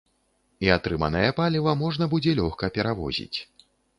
І атрыманае паліва можна будзе лёгка перавозіць.